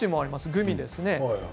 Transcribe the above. グミですね。